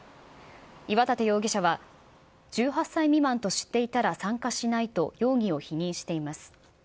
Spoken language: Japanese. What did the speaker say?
岩立容疑者は１８歳未満と知っていたら参加しないと、容疑を否認しています。